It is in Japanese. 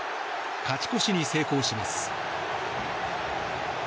勝ち越しに成功します。